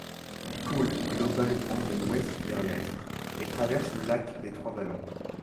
Il coule globalement de l'ouest vers l'est, et traverse le lac des trois vallons.